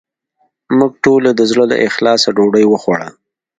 موږ ټولو د زړه له اخلاصه ډوډې وخوړه